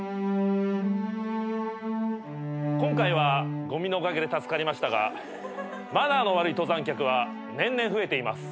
今回はゴミのおかげで助かりましたがマナーの悪い登山客は年々増えています。